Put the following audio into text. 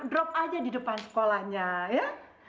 drop aja di depan sekolahnya ya